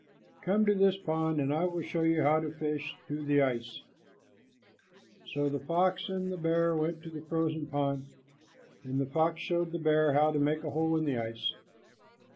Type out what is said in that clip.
Come to this pond, and I will show you how to fish through the ice." So the fox and the bear went to the frozen pond, and the fox showed the bear how to make a hole in the ice.